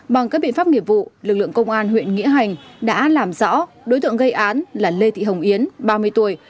bằng các biện pháp nghiệp vụ lực lượng công an huyện nghĩa hành đã làm rõ đối tượng gây án là lê thị hồng yến ba mươi tuổi